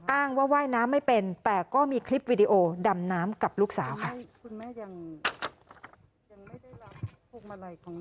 อ้างว่าว่ายน้ำไม่เป็นแต่ก็มีคลิปวิดีโอดำน้ำกับลูกสาวค่ะ